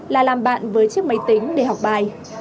là làm bạn với chiếc máy tính để học bài